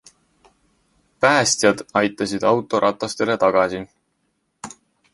Päästjad aitasid auto ratastele tagasi.